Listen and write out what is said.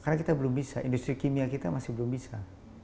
karena kita belum bisa industri kimia kita masih belum bisa